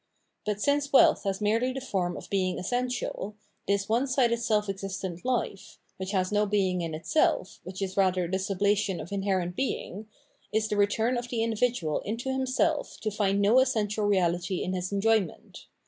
520 Phenomenology of Min3, But since wealth has merely the form of being essen tial, this one sided self existent hfe, — which has no being in itself, which is rather the suhlation of inherent being,— is the return of the individual into himself to find no essential reahty in his enjoyment.